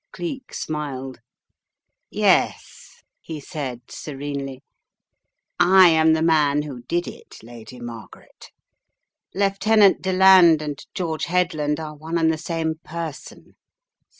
Cleek smiled. "Yes," he said, serenely. "I am the man who did it, Lady Margaret. Lieutenant Deland and George Headland are one and the same person.